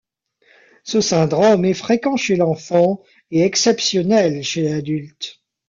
Ce syndrome est fréquent chez l'enfant et exceptionnelle chez l'adulte.